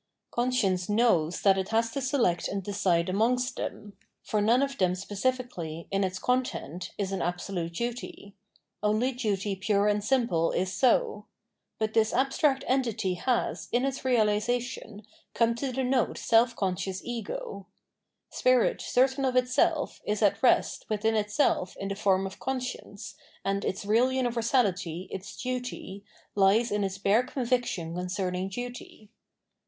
Conscience knows that it bas to select and decide amongst them ; for none of them specifically, in its content, is an absolute duty ; only duty pure and simple is so. But this abstract entity bas, in its reabsation, come to denote self conscious ego. Spirit certain of itself is at rest witbin itself in tbe form of conscience, and its real universabty, its duty, bes in its bare conviction con cerning duty.